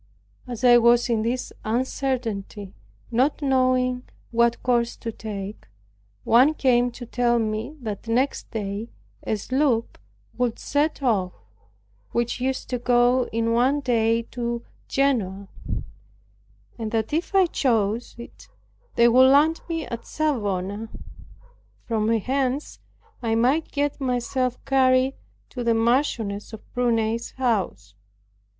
As I was in this uncertainty, not knowing what course to take, one came to tell me that next day a sloop would set off, which used to go in one day to Genoa; and that if I chose it, they would land me at Savona, from whence I might get myself carried to the Marchioness of Prunai's house.